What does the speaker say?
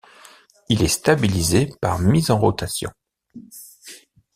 Il est stabilisé par mise en rotation.